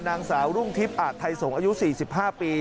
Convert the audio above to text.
นางสาวรุ่งทิพย์อาจไทยสงศ์อายุ๔๕ปี